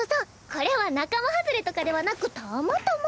これは仲間外れとかではなくたまたま。